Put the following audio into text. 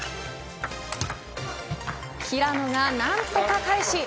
平野が何とか返し